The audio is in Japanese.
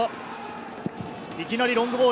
これはいきなりロングボール。